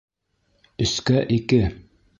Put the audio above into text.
Өскә -ике!